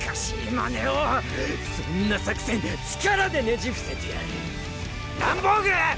まねをそんな作戦力でねじふせてやるランボーグ！